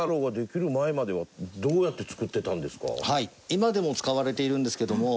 今でも使われているんですけども。